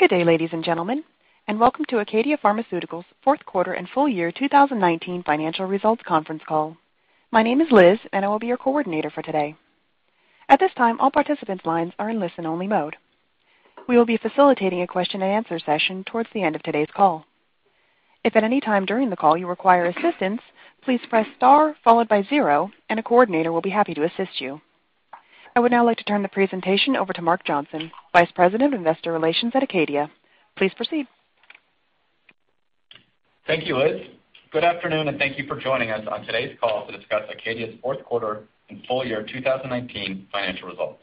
Good day, ladies and gentlemen, and welcome to Acadia Pharmaceuticals' Fourth Quarter and Full Year 2019 Financial Results Conference Call. My name is Liz and I will be your coordinator for today. At this time, all participants' lines are in listen only mode. We will be facilitating a question-and-answer session towards the end of today's call. If at any time during the call you require assistance, please press star followed by zero and a coordinator will be happy to assist you. I would now like to turn the presentation over to Mark Johnson, Vice President of Investor Relations at Acadia. Please proceed. Thank you, Liz. Good afternoon, and thank you for joining us on today's call to discuss Acadia's Fourth Quarter and Full Year 2019 Financial Results.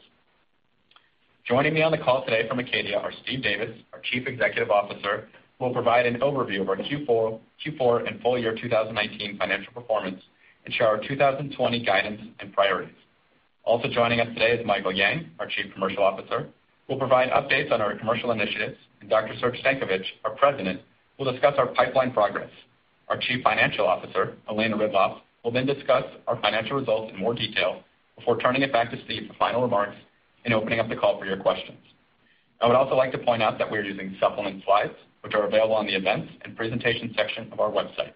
Joining me on the call today from Acadia are Steve Davis, our Chief Executive Officer, who will provide an overview of our Q4 and full-year 2019 financial performance and share our 2020 guidance and priorities. Also joining us today is Michael Yang, our Chief Commercial Officer, who will provide updates on our commercial initiatives, and Dr. Serge Stankovic, our President, who will discuss our pipeline progress. Our Chief Financial Officer, Elena Ridloff, will discuss our financial results in more detail before turning it back to Steve for final remarks and opening up the call for your questions. I would also like to point out that we are using supplement slides, which are available on the events and presentations section of our website.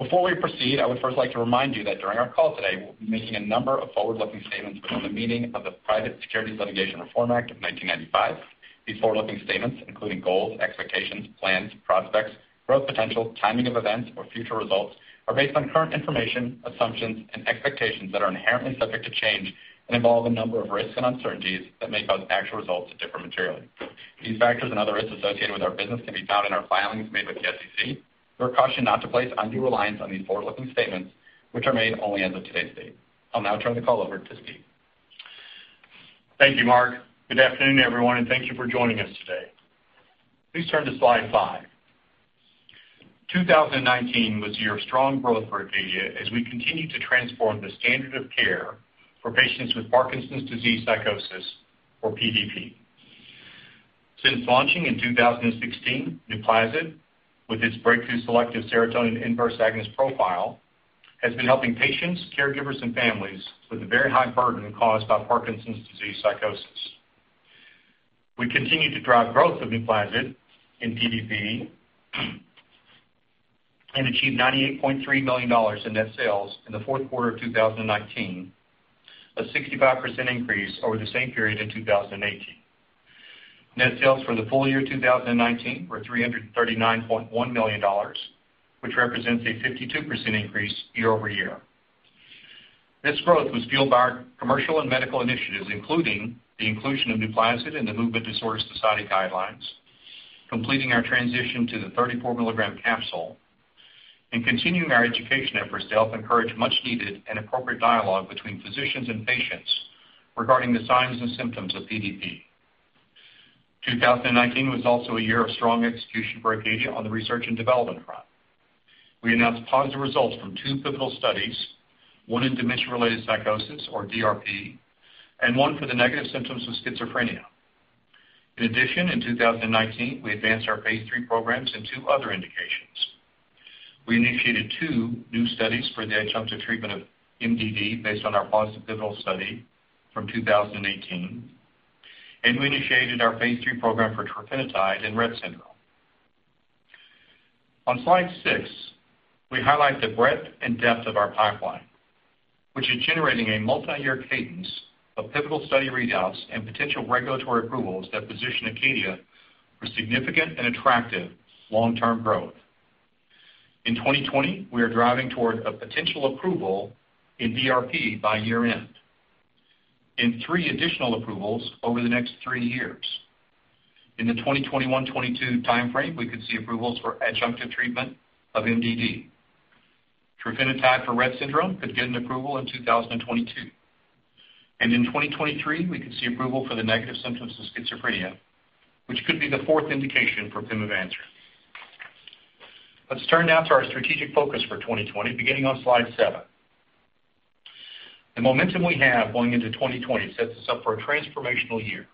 Before we proceed, I would first like to remind you that during our call today, we'll be making a number of forward-looking statements within the meaning of the Private Securities Litigation Reform Act of 1995. These forward-looking statements, including goals, expectations, plans, prospects, growth potential, timing of events or future results, are based on current information, assumptions, and expectations that are inherently subject to change and involve a number of risks and uncertainties that may cause actual results to differ materially. These factors and other risks associated with our business can be found in our filings made with the SEC. We caution not to place undue reliance on these forward-looking statements, which are made only as of today's date. I'll now turn the call over to Steve. Thank you, Mark. Good afternoon, everyone, and thank you for joining us today. Please turn to slide five. 2019 was a year of strong growth for Acadia as we continue to transform the standard of care for patients with Parkinson’s Disease Psychosis or PDP. Since launching in 2016, NUPLAZID, with its breakthrough selective serotonin inverse agonist profile, has been helping patients, caregivers, and families with the very high burden caused by Parkinson's disease psychosis. We continue to drive growth of NUPLAZID in PDP and achieve $98.3 million in net sales in the fourth quarter of 2019, a 65% increase over the same period in 2018. Net sales for the full year 2019 were $339.1 million, which represents a 52% increase year-over-year. This growth was fueled by our commercial and medical initiatives, including the inclusion of NUPLAZID in the Movement Disorder Society guidelines, completing our transition to the 34 mg capsule, and continuing our education efforts to help encourage much needed and appropriate dialogue between physicians and patients regarding the signs and symptoms of PDP. 2019 was also a year of strong execution for Acadia on the research and development front. We announced positive results from two pivotal studies, one in dementia-related psychosis or DRP, and one for the negative symptoms of schizophrenia. In addition, in 2019, we advanced our phase III programs in two other indications. We initiated two new studies for the adjunctive treatment of MDD based on our positive pivotal study from 2018, and we initiated our phase III program for trofinetide in Rett syndrome. On slide six, we highlight the breadth and depth of our pipeline, which is generating a multi-year cadence of pivotal study readouts and potential regulatory approvals that position Acadia for significant and attractive long-term growth. In 2020, we are driving toward a potential approval in DRP by year end and three additional approvals over the next three years. In the 2021, 2022 timeframe, we could see approvals for adjunctive treatment of MDD. Trofinetide for Rett syndrome could get an approval in 2022. In 2023, we could see approval for the negative symptoms of schizophrenia, which could be the fourth indication for pimavanserin. Let's turn now to our strategic focus for 2020, beginning on slide seven. The momentum we have going into 2020 sets us up for a transformational year.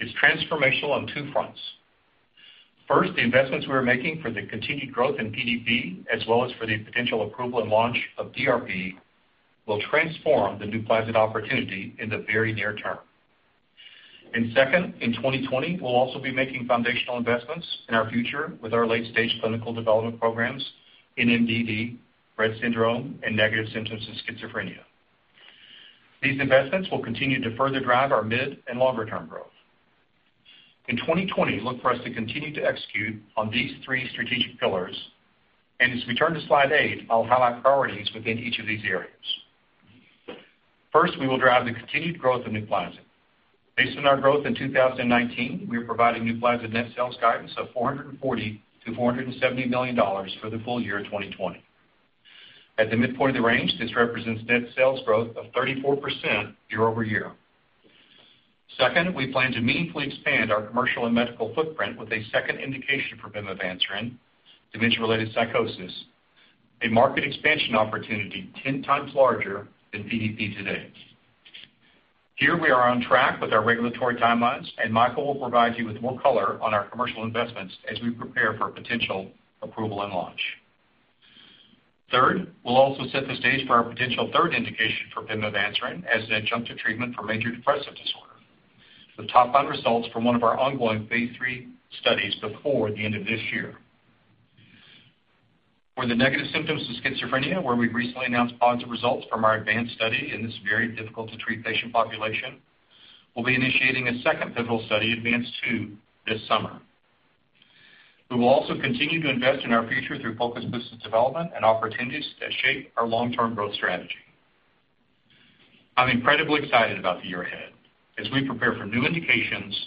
It's transformational on two fronts. First, the investments we are making for the continued growth in PDP, as well as for the potential approval and launch of DRP, will transform the NUPLAZID opportunity in the very near term. Second, in 2020, we'll also be making foundational investments in our future with our late-stage clinical development programs in MDD, Rett syndrome, and negative symptoms of schizophrenia. These investments will continue to further drive our mid and longer-term growth. In 2020, look for us to continue to execute on these three strategic pillars. As we turn to slide eight, I'll highlight priorities within each of these areas. First, we will drive the continued growth of NUPLAZID. Based on our growth in 2019, we are providing NUPLAZID net sales guidance of $440 million-$470 million for the full year 2020. At the midpoint of the range, this represents net sales growth of 34% year-over-year. Second, we plan to meaningfully expand our commercial and medical footprint with a second indication for pimavanserin, dementia-related psychosis, a market expansion opportunity 10x larger than PDP today. Here we are on track with our regulatory timelines, and Michael will provide you with more color on our commercial investments as we prepare for potential approval and launch. Third, we'll also set the stage for our potential third indication for pimavanserin as an adjunctive treatment for major depressive disorder, with top line results from one of our ongoing phase III studies before the end of this year. For the negative symptoms of schizophrenia, where we've recently announced positive results from our ADVANCE study in this very difficult to treat patient population, we'll be initiating a second pivotal study, ADVANCE-2, this summer. We will also continue to invest in our future through focused business development and opportunities that shape our long-term growth strategy. I'm incredibly excited about the year ahead as we prepare for new indications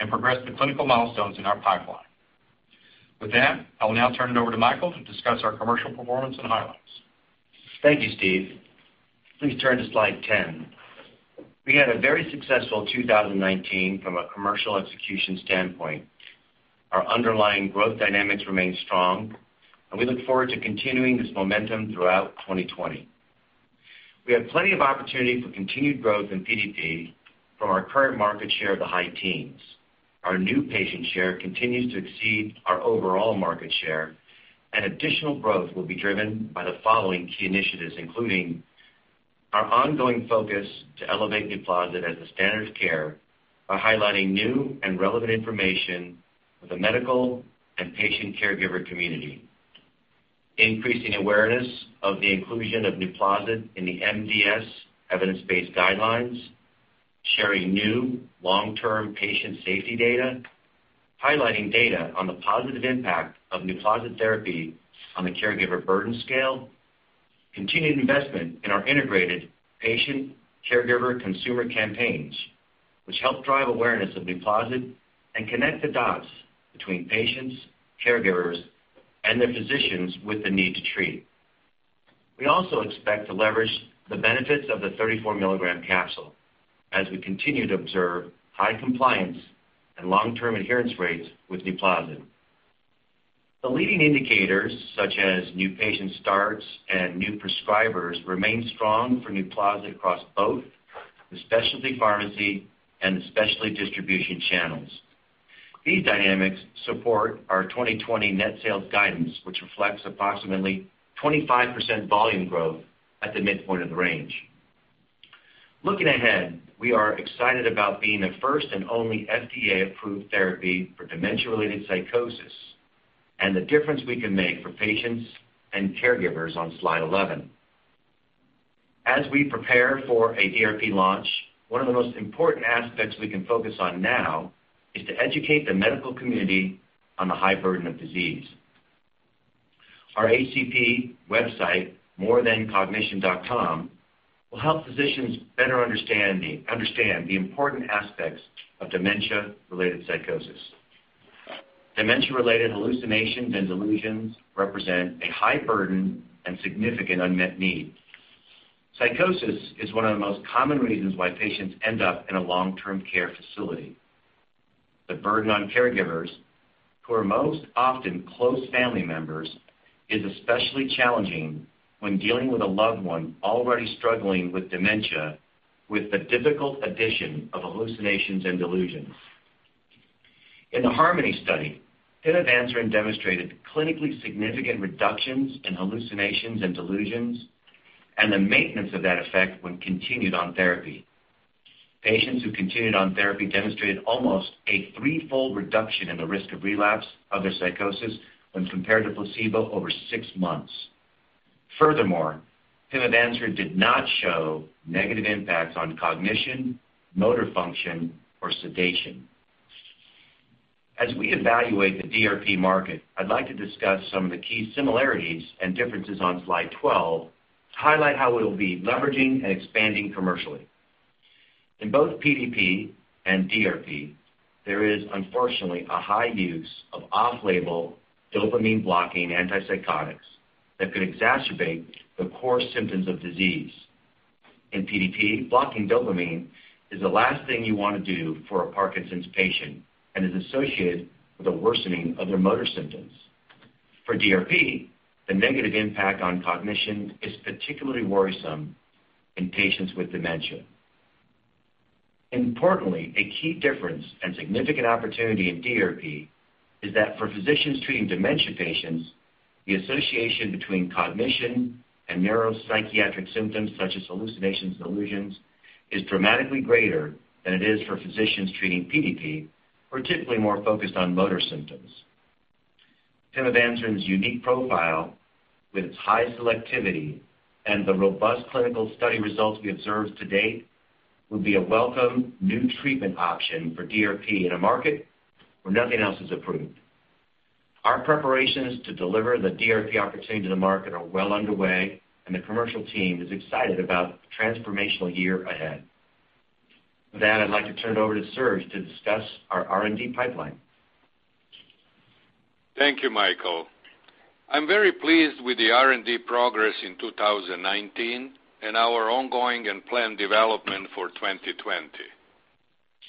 and progress the clinical milestones in our pipeline. With that, I will now turn it over to Michael to discuss our commercial performance and highlights. Thank you, Steve. Please turn to slide 10. We had a very successful 2019 from a commercial execution standpoint. Our underlying growth dynamics remain strong, and we look forward to continuing this momentum throughout 2020. We have plenty of opportunities for continued growth in PDP from our current market share of the high teens. Our new patient share continues to exceed our overall market share. Additional growth will be driven by the following key initiatives, including our ongoing focus to elevate NUPLAZID as a standard of care by highlighting new and relevant information with the medical and patient caregiver community, increasing awareness of the inclusion of NUPLAZID in the MDS evidence-based guidelines, sharing new long-term patient safety data, highlighting data on the positive impact of NUPLAZID therapy on the caregiver burden scale, continued investment in our integrated patient caregiver consumer campaigns, which help drive awareness of NUPLAZID and connect the dots between patients, caregivers, and their physicians with the need to treat. We also expect to leverage the benefits of the 34 mg capsule as we continue to observe high compliance and long-term adherence rates with NUPLAZID. The leading indicators, such as new patient starts and new prescribers, remain strong for NUPLAZID across both the specialty pharmacy and the specialty distribution channels. These dynamics support our 2020 net sales guidance, which reflects approximately 25% volume growth at the midpoint of the range. Looking ahead, we are excited about being the first and only FDA-approved therapy for dementia-related psychosis and the difference we can make for patients and caregivers on slide 11. As we prepare for a DRP launch, one of the most important aspects we can focus on now is to educate the medical community on the high burden of disease. Our ACP website, morethancognition.com, will help physicians better understand the important aspects of dementia-related psychosis. Dementia-related hallucinations and delusions represent a high burden and significant unmet need. Psychosis is one of the most common reasons why patients end up in a long-term care facility. The burden on caregivers, who are most often close family members, is especially challenging when dealing with a loved one already struggling with dementia, with the difficult addition of hallucinations and delusions. In the HARMONY study, pimavanserin demonstrated clinically significant reductions in hallucinations and delusions and the maintenance of that effect when continued on therapy. Patients who continued on therapy demonstrated almost a threefold reduction in the risk of relapse of their psychosis when compared to placebo over six months. Furthermore, pimavanserin did not show negative impacts on cognition, motor function, or sedation. As we evaluate the DRP market, I'd like to discuss some of the key similarities and differences on slide 12 to highlight how we'll be leveraging and expanding commercially. In both PDP and DRP, there is unfortunately a high use of off-label dopamine-blocking antipsychotics that could exacerbate the core symptoms of the disease. In PDP, blocking dopamine is the last thing you want to do for a Parkinson's patient and is associated with a worsening of their motor symptoms. For DRP, the negative impact on cognition is particularly worrisome in patients with dementia. Importantly, a key difference and significant opportunity in DRP is that for physicians treating dementia patients, the association between cognition and neuropsychiatric symptoms such as hallucinations and delusions is dramatically greater than it is for physicians treating PDP, who are typically more focused on motor symptoms. pimavanserin's unique profile, with its high selectivity and the robust clinical study results we observed to date, will be a welcome new treatment option for DRP in a market where nothing else is approved. Our preparations to deliver the DRP opportunity to the market are well underway, and the commercial team is excited about the transformational year ahead. With that, I'd like to turn it over to Serge to discuss our R&D pipeline. Thank you, Michael. I'm very pleased with the R&D progress in 2019 and our ongoing and planned development for 2020.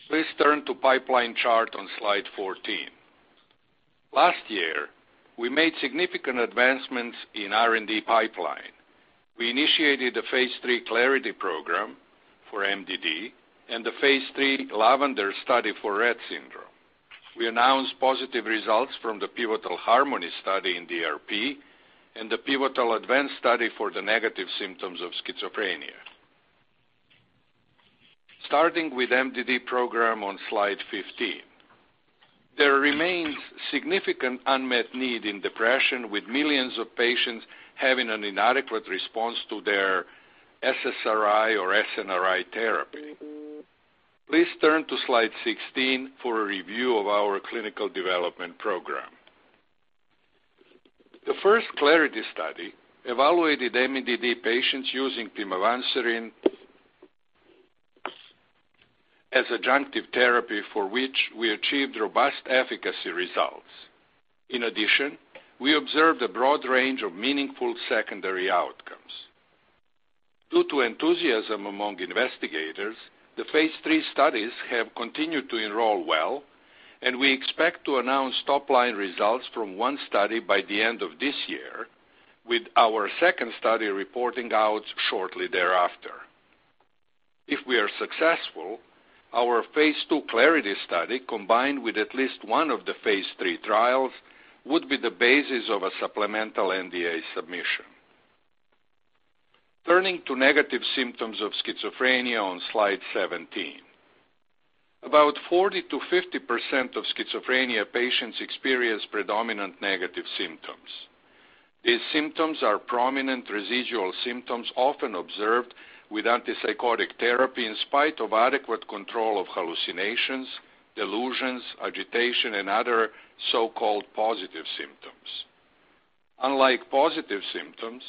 Please turn to pipeline chart on slide 14. Last year, we made significant advancements in R&D pipeline. We initiated the phase III CLARITY program for MDD and the phase III LAVENDER study for Rett syndrome. We announced positive results from the pivotal HARMONY study in DRP and the pivotal ADVANCE study for the negative symptoms of schizophrenia. Starting with MDD program on slide 15. There remains significant unmet need in depression, with millions of patients having an inadequate response to their SSRI or SNRI therapy. Please turn to slide 16 for a review of our clinical development program. The first CLARITY study evaluated MDD patients using pimavanserin as adjunctive therapy, for which we achieved robust efficacy results. In addition, we observed a broad range of meaningful secondary outcomes. Due to enthusiasm among investigators, the phase III studies have continued to enroll well. We expect to announce top-line results from one study by the end of this year, with our second study reporting out shortly thereafter. If we are successful, our phase II CLARITY study, combined with at least one of the phase III trials, would be the basis of a supplemental NDA submission. Turning to negative symptoms of schizophrenia on slide 17. About 40%-50% of schizophrenia patients experience predominant negative symptoms. These symptoms are prominent residual symptoms often observed with antipsychotic therapy in spite of adequate control of hallucinations, delusions, agitation, and other so-called positive symptoms. Unlike positive symptoms,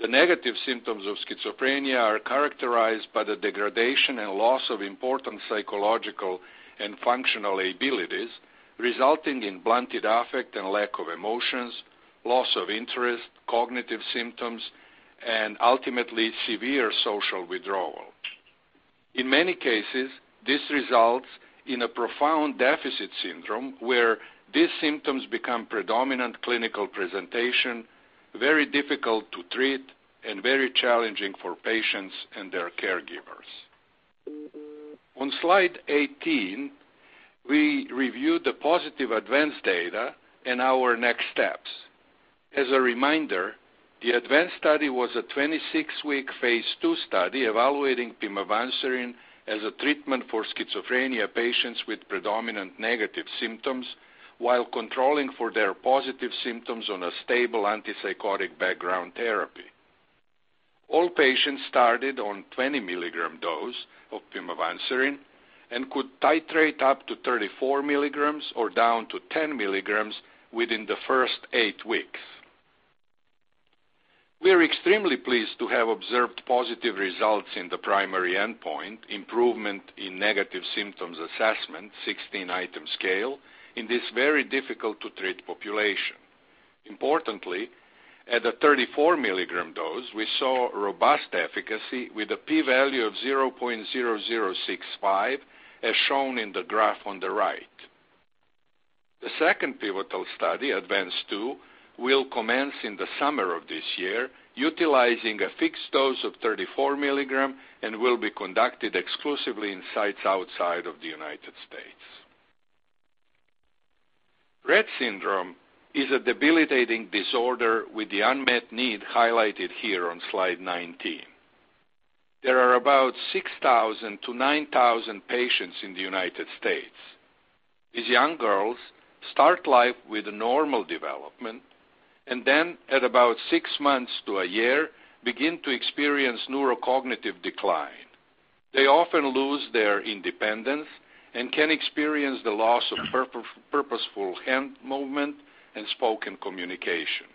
the negative symptoms of schizophrenia are characterized by the degradation and loss of important psychological and functional abilities, resulting in blunted affect and lack of emotions, loss of interest, cognitive symptoms, and ultimately, severe social withdrawal. In many cases, this results in a profound deficit syndrome where these symptoms become predominant clinical presentation, very difficult to treat, and very challenging for patients and their caregivers. On slide 18, we review the positive ADVANCE data and our next steps. As a reminder, the ADVANCE study was a 26-week phase II study evaluating pimavanserin as a treatment for schizophrenia patients with predominant negative symptoms while controlling for their positive symptoms on a stable antipsychotic background therapy. All patients started on 20 mg dose of pimavanserin and could titrate up to 34 mg or down to 10 mg within the first eight weeks. We are extremely pleased to have observed positive results in the primary endpoint, improvement in Negative Symptom Assessment-16 item scale in this very difficult to treat population. Importantly, at a 34 mg dose, we saw robust efficacy with a p-value of 0.0065, as shown in the graph on the right. The second pivotal study, ADVANCE-2, will commence in the summer of this year, utilizing a fixed dose of 34 mg and will be conducted exclusively in sites outside of the United States. Rett syndrome is a debilitating disorder with the unmet need highlighted here on slide 19. There are about 6,000 to 9,000 patients in the United States. These young girls start life with a normal development and then, at about six months to a year, begin to experience neurocognitive decline. They often lose their independence and can experience the loss of purposeful hand movement and spoken communication.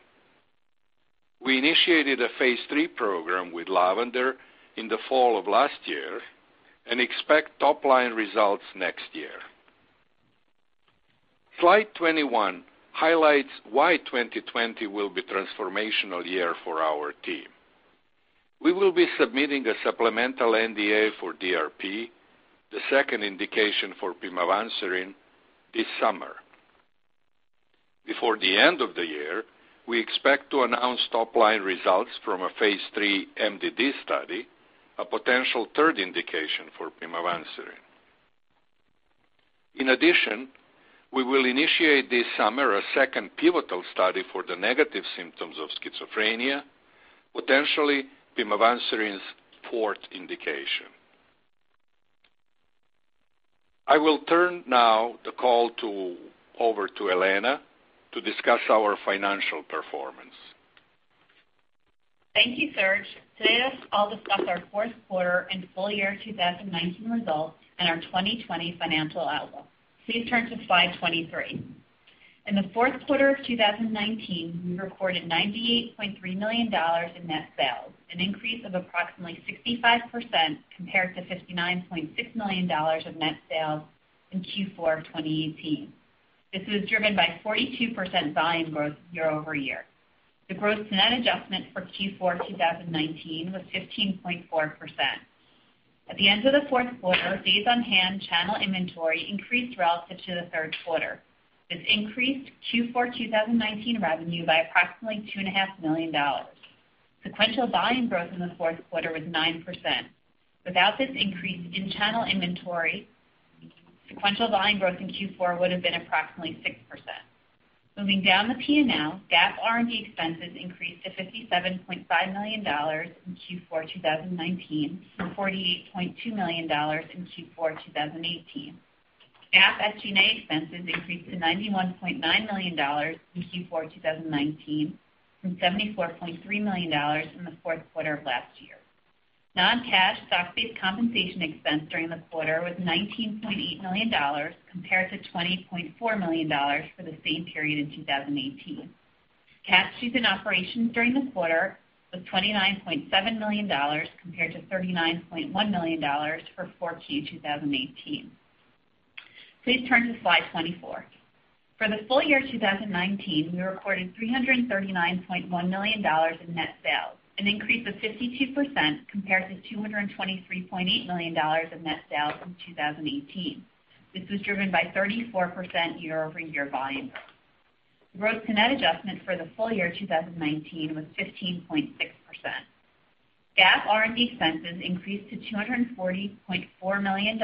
We initiated a phase III program with LAVENDER in the fall of last year and expect top-line results next year. Slide 21 highlights why 2020 will be a transformational year for our team. We will be submitting a supplemental NDA for DRP, the second indication for pimavanserin, this summer. Before the end of the year, we expect to announce top-line results from a phase III MDD study, a potential third indication for pimavanserin. We will initiate this summer a second pivotal study for the negative symptoms of schizophrenia, potentially pimavanserin's fourth indication. I will turn now the call over to Elena to discuss our financial performance. Thank you, Serge. Today, I'll discuss our fourth quarter and full year 2019 results and our 2020 financial outlook. Please turn to slide 23. In the fourth quarter of 2019, we recorded $98.3 million in net sales, an increase of approximately 65% compared to $59.6 million of net sales in Q4 of 2018. This was driven by 42% volume growth year-over-year. The gross-to-net adjustment for Q4 2019 was 15.4%. At the end of the fourth quarter, days on hand channel inventory increased relative to the third quarter. This increased Q4 2019 revenue by approximately $2.5 million. Sequential volume growth in the fourth quarter was 9%. Without this increase in channel inventory, sequential volume growth in Q4 would've been approximately 6%. Moving down the P&L, GAAP R&D expenses increased to $57.5 million in Q4 2019 from $48.2 million in Q4 2018. GAAP SG&A expenses increased to $91.9 million in Q4 2019 from $74.3 million in the fourth quarter of last year. Non-cash stock-based compensation expense during the quarter was $19.8 million compared to $20.4 million for the same period in 2018. Cash used in operations during the quarter was $29.7 million, compared to $39.1 million for 4Q 2018. Please turn to slide 24. For the full year 2019, we recorded $339.1 million in net sales, an increase of 52% compared to $223.8 million in net sales in 2018. This was driven by 34% year-over-year volume growth. The gross-to-net adjustment for the full year 2019 was 15.6%. GAAP R&D expenses increased to $240.4 million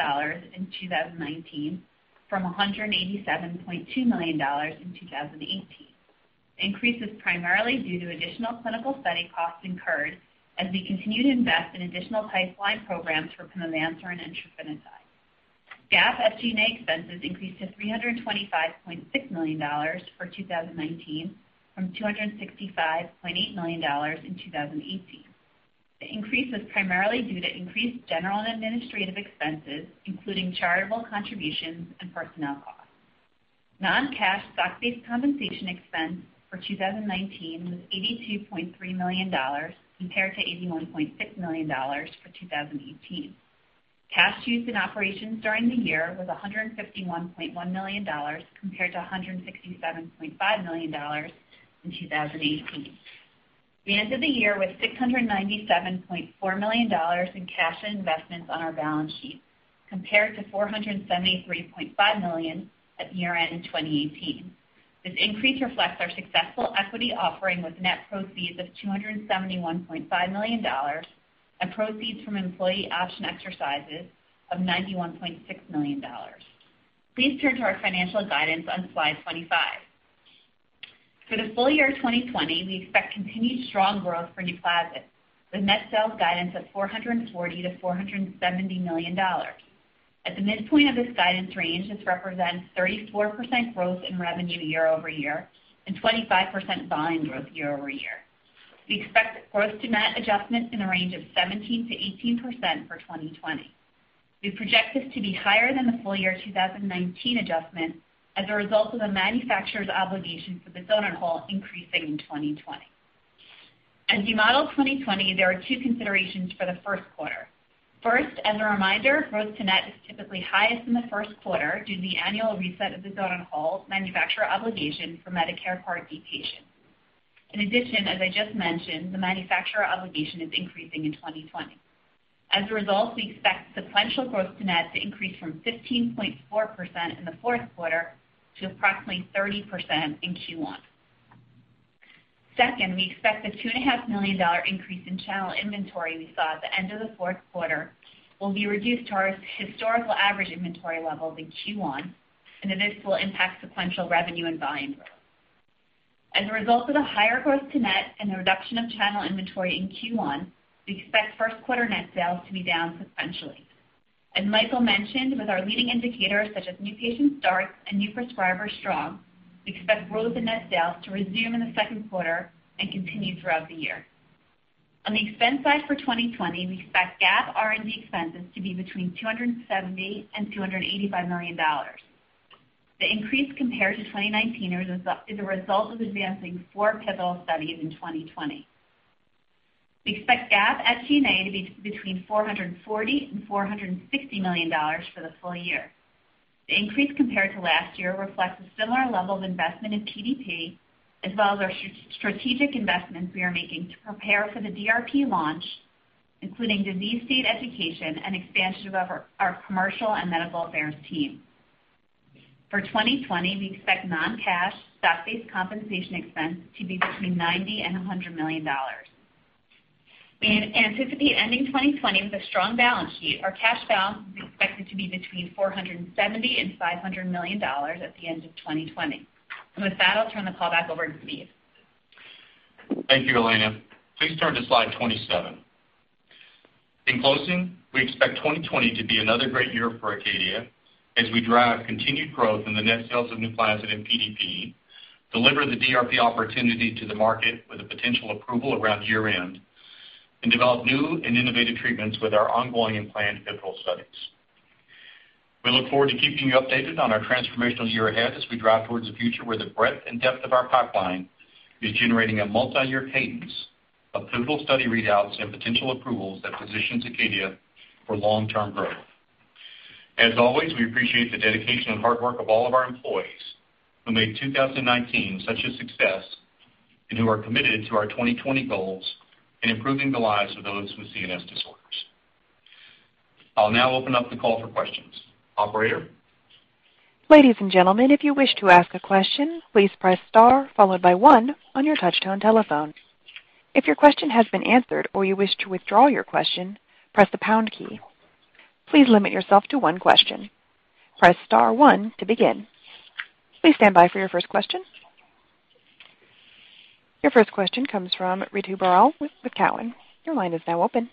in 2019 from $187.2 million in 2018. The increase is primarily due to additional clinical study costs incurred as we continue to invest in additional pipeline programs for pimavanserin and trofinetide. GAAP SG&A expenses increased to $325.6 million for 2019 from $265.8 million in 2018. The increase was primarily due to increased general and administrative expenses, including charitable contributions and personnel costs. Non-cash stock-based compensation expense for 2019 was $82.3 million compared to $81.6 million for 2018. Cash used in operations during the year was $151.1 million, compared to $167.5 million in 2018. We ended the year with $697.4 million in cash and investments on our balance sheet compared to $473.5 million at year-end in 2018. This increase reflects our successful equity offering with net proceeds of $271.5 million and proceeds from employee option exercises of $91.6 million. Please turn to our financial guidance on slide 25. For the full year 2020, we expect continued strong growth for NUPLAZID, with net sales guidance of $440 million-$470 million. At the midpoint of this guidance range, this represents 34% growth in revenue year-over-year and 25% volume growth year-over-year. We expect the gross-to-net adjustment in the range of 17%-18% for 2020. We project this to be higher than the full year 2019 adjustment as a result of the manufacturer's obligation for the donut hole increasing in 2020. As we model 2020, there are two considerations for the first quarter. First, as a reminder, gross-to-net is typically highest in the first quarter due to the annual reset of the donut hole manufacturer obligation for Medicare Part D patients. In addition, as I just mentioned, the manufacturer's obligation is increasing in 2020. As a result, we expect sequential gross-to-net to increase from 15.4% in the fourth quarter to approximately 30% in Q1. Second, we expect the $2.5 million increase in channel inventory we saw at the end of the fourth quarter will be reduced to our historical average inventory level in Q1, and that this will impact sequential revenue and volume growth. As a result of the higher gross-to-net and the reduction of channel inventory in Q1, we expect first quarter net sales to be down sequentially. As Michael mentioned, with our leading indicators, such as new patient starts and new prescribers strong, we expect growth in net sales to resume in the second quarter and continue throughout the year. On the expense side for 2020, we expect GAAP R&D expenses to be between $270 million and $285 million. The increase compared to 2019 is the result of advancing four pivotal studies in 2020. We expect GAAP SG&A to be between $440 million and $460 million for the full year. The increase compared to last year reflects a similar level of investment in PDP, as well as our strategic investments we are making to prepare for the DRP launch, including disease state education and expansion of our commercial and medical affairs team. For 2020, we expect non-cash stock-based compensation expense to be between $90 million and $100 million. We anticipate ending 2020 with a strong balance sheet. Our cash balance is expected to be between $470 million and $500 million at the end of 2020. With that, I'll turn the call back over to Steve. Thank you, Elena. Please turn to slide 27. In closing, we expect 2020 to be another great year for Acadia as we drive continued growth in the net sales of NUPLAZID and PDP, deliver the DRP opportunity to the market with a potential approval around year-end, and develop new and innovative treatments with our ongoing and planned pivotal studies. We look forward to keeping you updated on our transformational year ahead as we drive towards a future where the breadth and depth of our pipeline is generating a multiyear cadence of pivotal study readouts and potential approvals that position Acadia for long-term growth. As always, we appreciate the dedication and hard work of all of our employees who made 2019 such a success and who are committed to our 2020 goals in improving the lives of those with CNS disorders. I'll now open up the call for questions. Operator? Ladies and gentlemen, if you wish to ask a question, please press star followed by one on your touch-tone telephone. If your question has been answered or you wish to withdraw your question, press the pound key. Please limit yourself to one question. Press star one to begin. Please stand by for your first question. Your first question comes from Ritu Baral with Cowen. Your line is now open.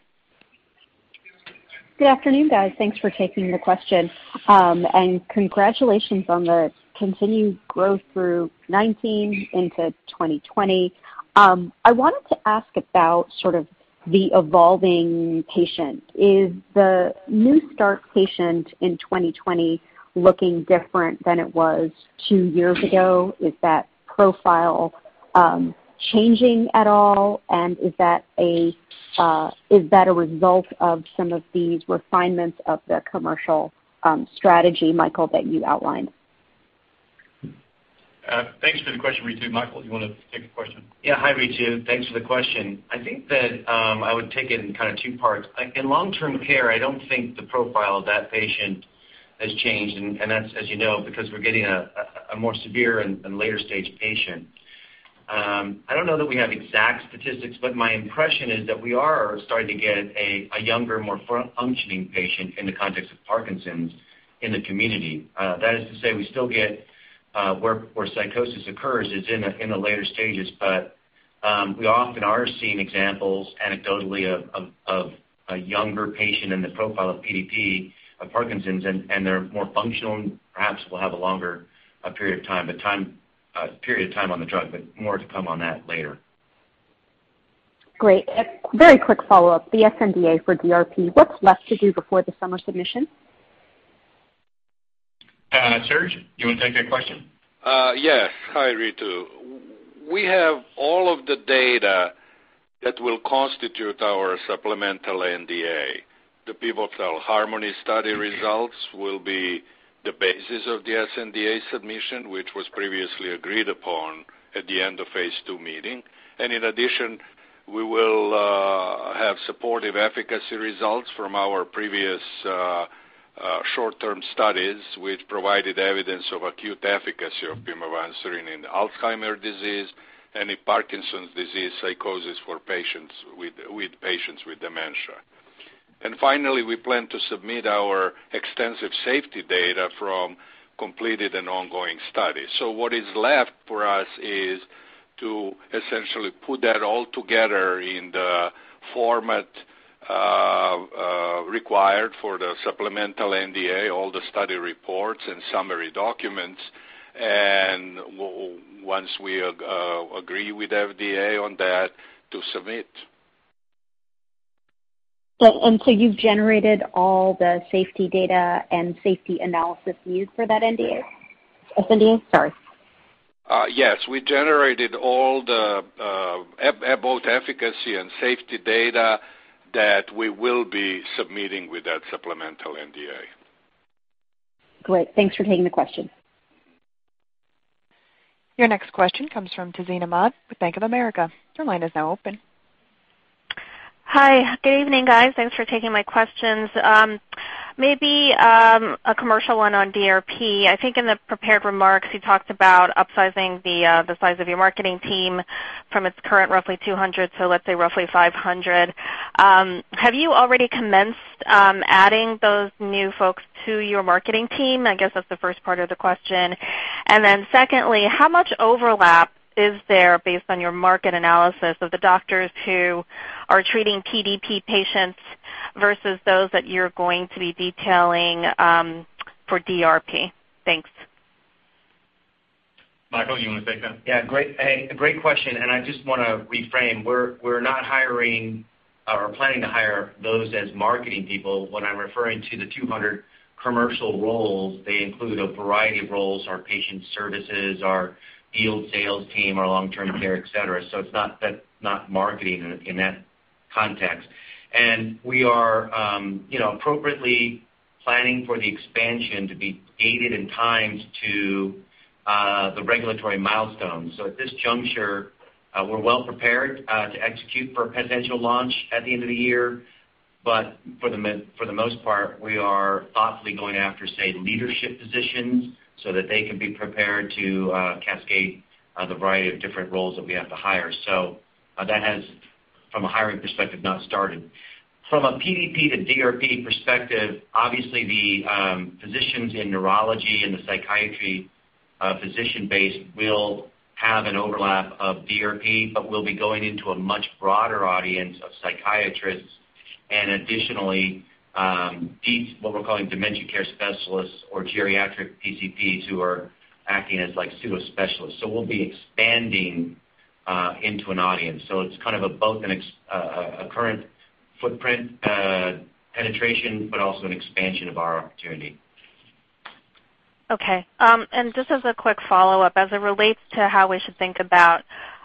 Good afternoon, guys. Thanks for taking the question. Congratulations on the continued growth through 2019 into 2020. I wanted to ask about sort of the evolving patient. Is the new start patient in 2020 looking different than it was two years ago? Is that profile changing at all? Is that a result of some of these refinements of the commercial strategy, Michael, that you outlined? Thanks for the question, Ritu. Michael, you want to take the question? Yeah. Hi, Ritu. Thanks for the question. I think that I would take it in kind of two parts. In long-term care, I don't think the profile of that patient has changed. That's as you know, because we're getting a more severe and later stage patient. I don't know that we have exact statistics, but my impression is that we are starting to get a younger, more functioning patient in the context of Parkinson's in the community. That is to say, we still get where psychosis occurs is in the later stages. We often are seeing examples anecdotally of a younger patient in the profile of PDP, of Parkinson's, and they're more functional and perhaps will have a longer period of time on the drug, but more to come on that later. Great. A very quick follow-up. The sNDA for DRP, what's left to do before the summer submission? Serge, do you want to take that question? Yes. Hi, Ritu. We have all of the data that will constitute our sNDA. The pivotal HARMONY study results will be the basis of the sNDA submission, which was previously agreed upon at the end of phase II meeting. In addition, we will have supportive efficacy results from our previous short-term studies, which provided evidence of acute efficacy of pimavanserin in Alzheimer's disease and in Parkinson's disease psychosis for patients with dementia. Finally, we plan to submit our extensive safety data from completed and ongoing studies. What is left for us is to essentially put that all together in the format required for the sNDA, all the study reports and summary documents. Once we agree with FDA on that, to submit. Have you generated all the safety data and safety analysis used for that NDA? sNDA, sorry. Yes, we generated all the both efficacy and safety data that we will be submitting with that sNDA. Great. Thanks for taking the question. Your next question comes from Tazeen Ahmad with Bank of America. Your line is now open. Hi. Good evening, guys. Thanks for taking my questions. Maybe a commercial one on DRP. I think in the prepared remarks, you talked about upsizing the size of your marketing team from its current roughly 200 to, let's say, roughly 500. Have you already commenced adding those new folks to your marketing team? I guess that's the first part of the question. Secondly, how much overlap is there based on your market analysis of the doctors who are treating PDP patients versus those that you're going to be detailing for DRP? Thanks. Michael, you want to take that? Yeah. Great question. I just want to reframe. We're not hiring or planning to hire those as marketing people. When I'm referring to the 200 commercial roles, they include a variety of roles, our patient services, our field sales team, our long-term care, et cetera. That's not marketing in that context. We are appropriately planning for the expansion to be dated and timed to the regulatory milestones. At this juncture, we're well prepared to execute for a potential launch at the end of the year. For the most part, we are thoughtfully going after, say, leadership positions so that they can be prepared to cascade the variety of different roles that we have to hire. That has, from a hiring perspective, not started. From a PDP to DRP perspective, obviously, the physicians in neurology and the psychiatry physician base will have an overlap of DRP, but we'll be going into a much broader audience of psychiatrists and, additionally, what we're calling dementia care specialists or geriatric PCPs who are acting as like pseudo specialists. We'll be expanding into an audience. It's kind of both a current footprint penetration but also an expansion of our opportunity. Okay. Just as a quick follow-up, as it relates to how we should think about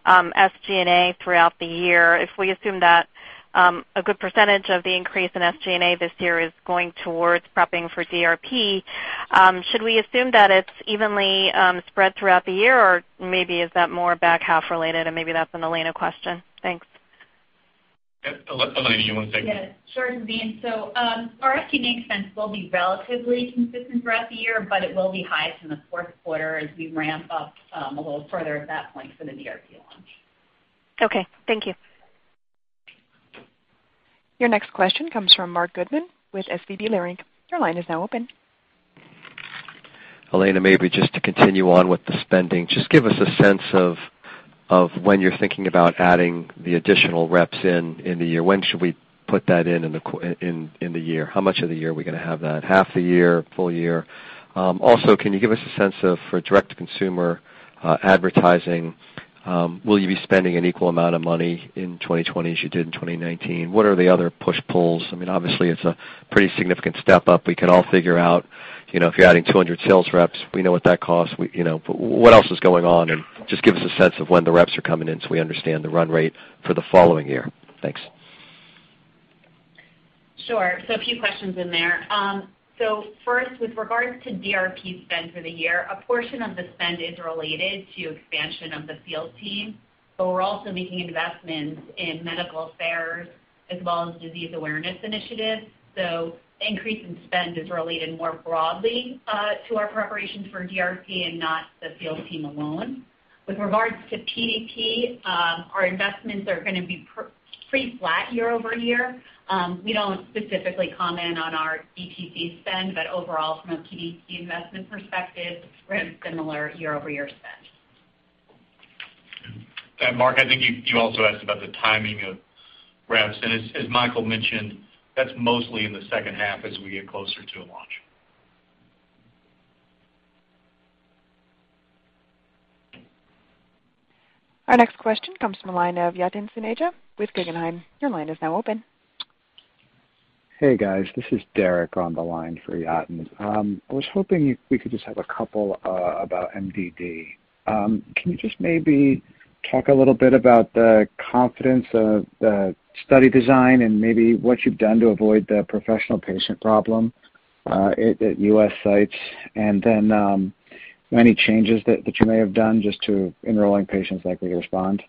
SG&A throughout the year, if we assume that a good percentage of the increase in SG&A this year is going towards prepping for DRP, should we assume that it's evenly spread throughout the year, or maybe is that more back-half related, and maybe that's an Elena question? Thanks. Yep. Elena, do you want to take it? Yeah, sure, Tazeen. Our marketing expense will be relatively consistent throughout the year, but it will be highest in the fourth quarter as we ramp up a little further at that point for the DRP launch. Okay. Thank you. Your next question comes from Marc Goodman with SVB Leerink. Your line is now open. Elena, maybe just to continue on with the spending. Just give us a sense of when you're thinking about adding the additional reps in the year. When should we put that in the year? How much of the year are we going to have that? Half the year, full year? Can you give us a sense of, for direct-to-consumer advertising, will you be spending an equal amount of money in 2020 as you did in 2019? What are the other push-pulls? Obviously, it's a pretty significant step up. We can all figure out if you're adding 200 sales reps, we know what that costs. What else is going on? Just give us a sense of when the reps are coming in, so we understand the run rate for the following year. Thanks. Sure. A few questions in there. First, with regard to DRP spend for the year, a portion of the spend is related to expansion of the field team, but we're also making investments in medical affairs as well as disease awareness initiatives. The increase in spend is related more broadly to our preparations for DRP and not the field team alone. With regards to PDP, our investments are going to be pretty flat year-over-year. We don't specifically comment on our DTC spend, but overall, from a PDP investment perspective, we're at a similar year-over-year spend. Marc, I think you also asked about the timing of reps. As Michael mentioned, that's mostly in the second half as we get closer to a launch. Our next question comes from the line of Yatin Suneja with Guggenheim. Your line is now open. Hey, guys. This is Derek on the line for Yatin. I was hoping we could just have a couple about MDD. Can you just maybe talk a little bit about the confidence of the study design and maybe what you've done to avoid the professional patient problem at U.S. sites? Then any changes that you may have done just to enroll patients likely to respond?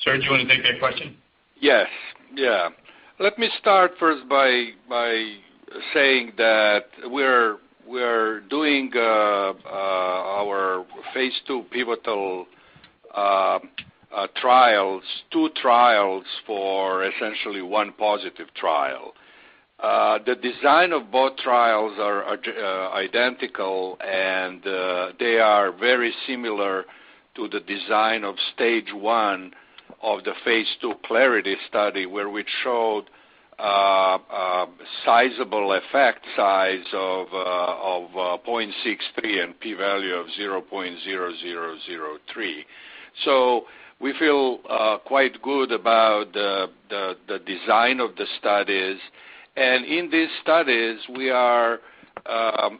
Serge, do you want to take that question? Yes. Let me start first by saying that we're doing our phase II pivotal trials, two trials for essentially one positive trial. The design of both trials are identical, and they are very similar to the design of Stage 1 of the phase II CLARITY study, where we showed a sizable effect size of 0.63 and p-value of 0.0003. We feel quite good about the design of the studies. In these studies, we are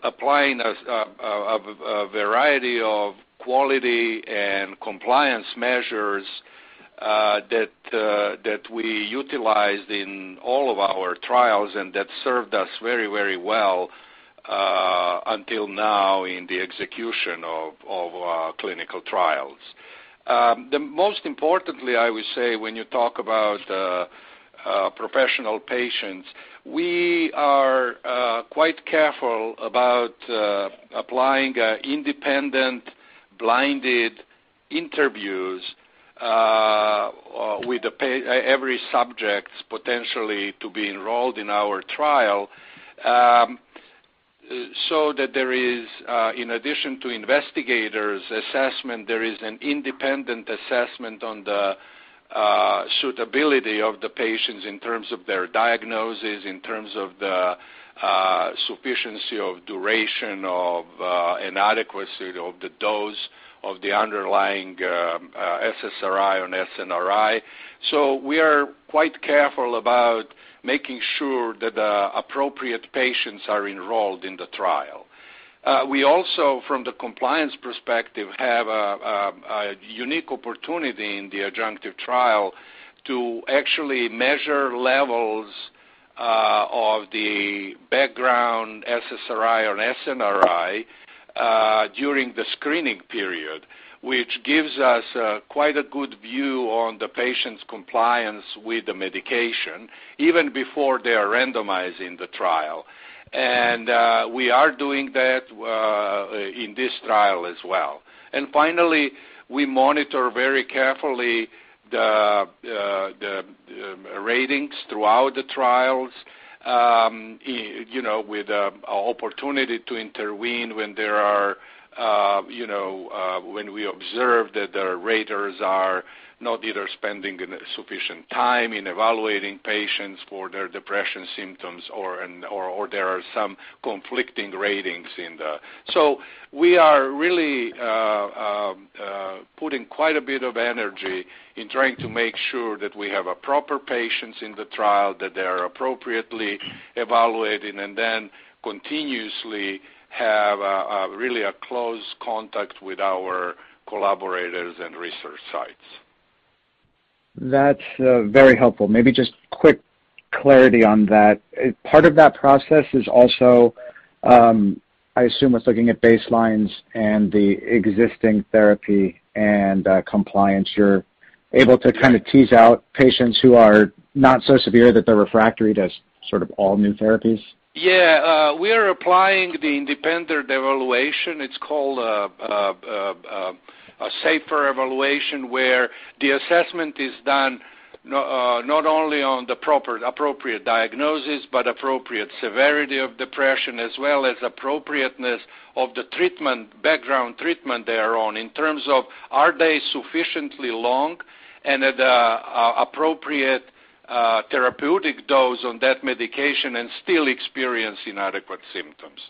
applying a variety of quality and compliance measures that we utilized in all of our trials and that served us very well until now in the execution of our clinical trials. Most importantly, I would say when you talk about professional patients, we are quite careful about applying independent blinded interviews with every subject potentially to be enrolled in our trial. That there is, in addition to the investigators' assessment, there is an independent assessment on the suitability of the patients in terms of their diagnosis, in terms of the sufficiency of duration or inadequacy of the dose of the underlying SSRI or SNRI. We are quite careful about making sure that the appropriate patients are enrolled in the trial. We also, from the compliance perspective, have a unique opportunity in the adjunctive trial to actually measure levels of the background SSRI or SNRI during the screening period, which gives us quite a good view on the patient's compliance with the medication even before they are randomized in the trial. We are doing that in this trial as well. Finally, we monitor very carefully the ratings throughout the trials with an opportunity to intervene when we observe that the raters are not either spending sufficient time in evaluating patients for their depression symptoms or there are some conflicting ratings. We are really putting quite a bit of energy in trying to make sure that we have proper patients in the trial, that they are appropriately evaluated, and then continuously have really a close contact with our collaborators and research sites. That's very helpful. Maybe just quick clarity on that. Part of that process is also, I assume, it's looking at baselines and the existing therapy and compliance. You're able to kind of tease out patients who are not so severe that they're refractory to sort of all new therapies? Yeah. We are applying the independent evaluation. It's called a SAFER evaluation, where the assessment is done not only on the appropriate diagnosis but appropriate severity of depression, as well as appropriateness of the background treatment they are on in terms of are they sufficiently long and at the appropriate therapeutic dose on that medication and still experiencing adequate symptoms.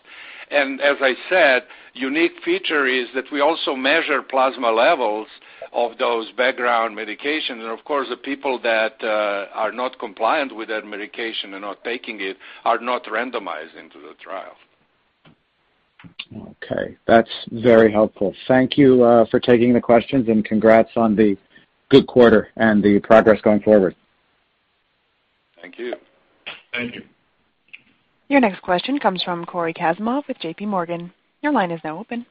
As I said, unique feature is that we also measure plasma levels of those background medications, and of course, the people that are not compliant with that medication and not taking it are not randomized into the trial. Okay. That's very helpful. Thank you for taking the questions, and congrats on the good quarter and the progress going forward. Thank you. Thank you. Your next question comes from Cory Kasimov with JPMorgan. Your line is now open.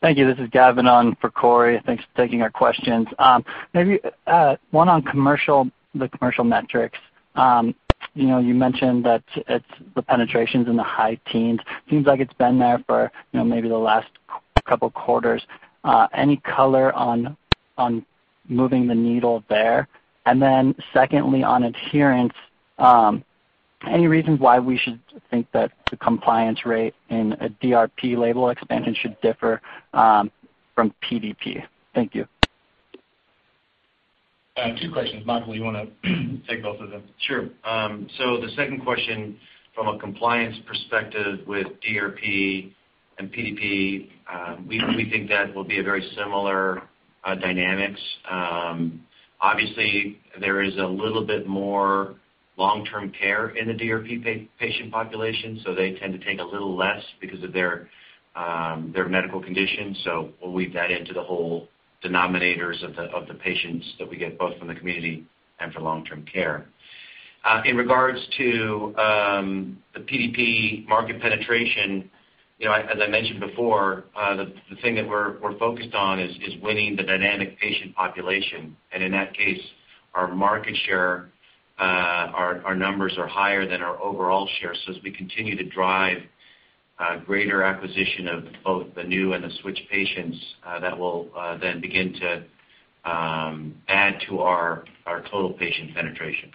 Thank you. This is Gavin on for Cory. Thanks for taking our questions. Maybe one on the commercial metrics. You mentioned that the penetration's in the high teens. Seems like it's been there for maybe the last couple of quarters. Any color on moving the needle there? Secondly, on adherence, any reasons why we should think that the compliance rate in a DRP label expansion should differ from PDP? Thank you. Two questions. Michael, you want to take both of them? Sure. The second question, from a compliance perspective with DRP and PDP, we think that will be a very similar dynamics. Obviously, there is a little bit more long-term care in the DRP patient population, so they tend to take a little less because of their medical condition. We'll weave that into the whole denominators of the patients that we get, both from the community and for long-term care. In regards to the PDP market penetration, as I mentioned before, the thing that we're focused on is winning the dynamic patient population. In that case, our market share, our numbers are higher than our overall share. As we continue to drive greater acquisition of both the new and the switch patients, that will then begin to add to our total patient penetration.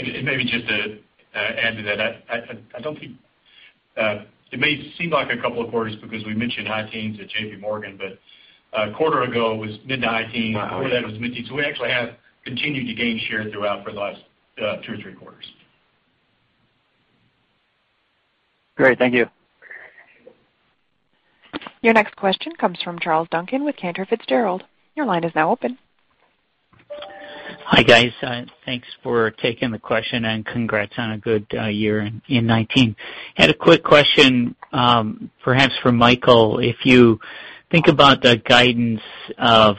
Maybe just to add to that, it may seem like a couple of quarters because we mentioned high teens at JPMorgan, but a quarter ago, it was mid to high teens. Before that, it was mid-teens. We actually have continued to gain share throughout the last two or three quarters. Great. Thank you. Your next question comes from Charles Duncan with Cantor Fitzgerald. Your line is now open. Hi, guys. Thanks for taking the question, and congrats on a good year in 2019. Had a quick question, perhaps for Michael. If you think about the guidance of,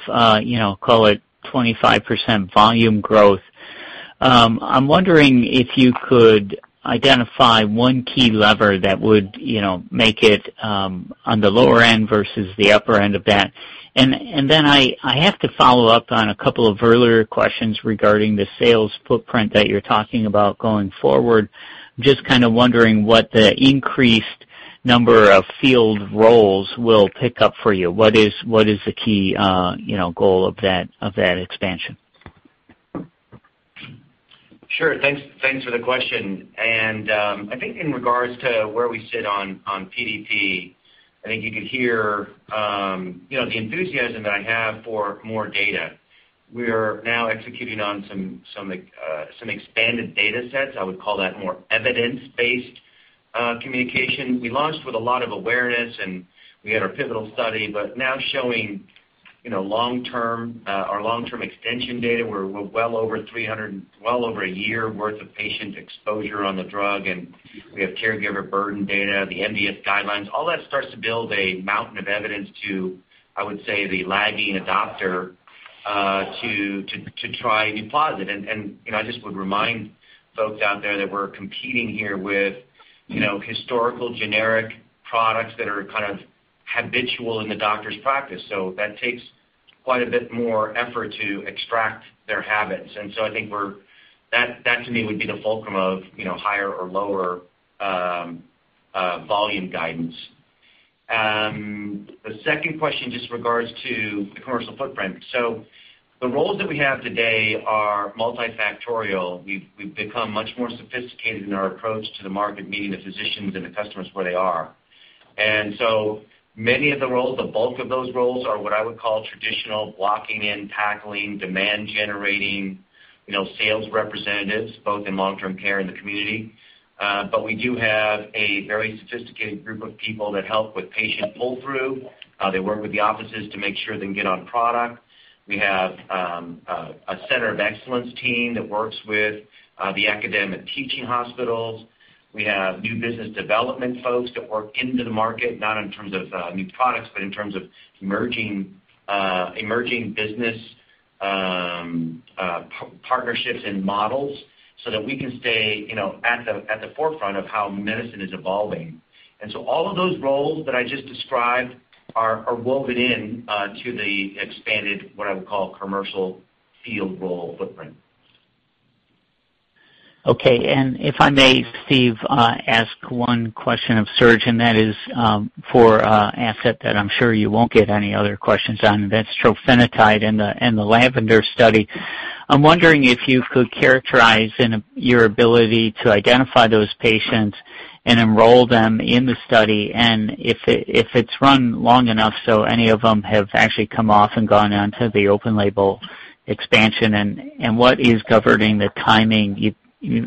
call it 25% volume growth, I'm wondering if you could identify one key lever that would make it on the lower end versus the upper end of that. I have to follow up on a couple of earlier questions regarding the sales footprint that you're talking about going forward. I'm just kind of wondering what the increased number of field roles will pick up for you. What is the key goal of that expansion? Sure. Thanks for the question. I think, in regards to where we sit on PDP, I think you could hear the enthusiasm that I have for more data. We're now executing on some expanded data sets. I would call that more evidence-based communication. We launched with a lot of awareness, and we had our pivotal study, but now, showing our long-term extension data, we're well over a year's worth of patient exposure on the drug, and we have caregiver burden data, the MDS guidelines. All that starts to build a mountain of evidence to, I would say, the lagging adopter to try NUPLAZID. I just would remind folks out there that we're competing here with historical generic products that are kind of habitual in the doctor's practice. That takes quite a bit more effort to extract their habits. I think that to me would be the fulcrum of higher or lower volume guidance. The second question just regards to the commercial footprint. The roles that we have today are multifactorial. We've become much more sophisticated in our approach to the market, meeting the physicians and the customers where they are. Many of the roles, the bulk of those roles, are what I would call traditional blocking and tackling, demand generating, sales representatives, both in long-term care and the community. We do have a very sophisticated group of people who help with patient pull-through. They work with the offices to make sure they can get on the product. We have a center of excellence team that works with the academic teaching hospitals. We have new business development folks that work into the market, not in terms of new products, but in terms of emerging business partnerships and models so that we can stay at the forefront of how medicine is evolving. All of those roles that I just described are woven into the expanded, what I would call, commercial field role footprint. Okay. If I may, Steve, ask one question of Serge, and that is for an asset that I'm sure you won't get any other questions on, and that's trofinetide and the LAVENDER study. I'm wondering if you could characterize your ability to identify those patients and enroll them in the study, and if it's run long enough so any of them have actually come off and gone on to the open-label expansion. What is governing the timing?